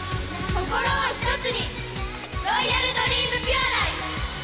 心をひとつにロイヤルドリームピュアライズ！